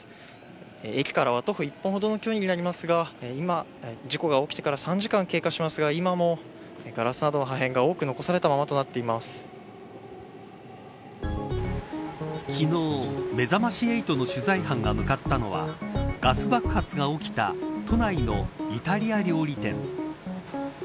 駅からは徒歩１分ほどの距離にありますが事故が起きてから３時間経過しますが今も、ガラスなどの破片が多く残されたままと昨日めざまし８の取材班が向かったのはガス爆発が起きた都内のイタリア料理店。